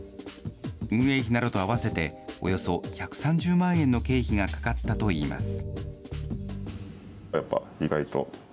運営費などと合わせて、およそ１３０万円の経費がかかったといいます。